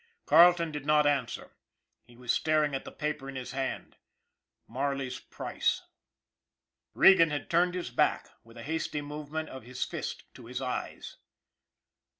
Carleton did not answer. He was staring at the paper in his hand Marley's price. Regan had turned his back, with a hasty movement of his fist to his eyes.